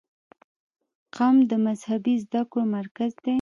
قم د مذهبي زده کړو مرکز دی.